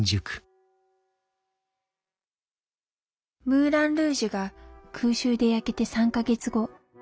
ムーラン・ルージュが空襲で焼けて３か月後